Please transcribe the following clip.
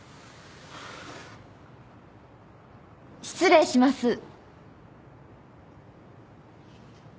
失礼します。